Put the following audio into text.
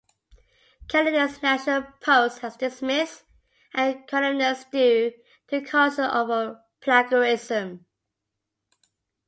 Canada's National Post has dismissed a columnist due to concerns over plagiarism.